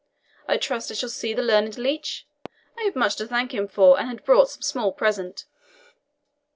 I trust I shall see the learned leech. I have much to thank him for, and had brought some small present."